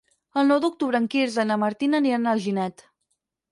El nou d'octubre en Quirze i na Martina aniran a Alginet.